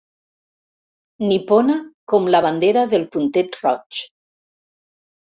Nipona com la bandera del puntet roig.